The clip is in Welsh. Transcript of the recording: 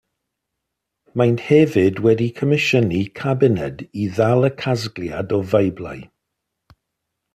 Maent hefyd wedi comisiynu cabined i ddal y casgliad o Feiblau.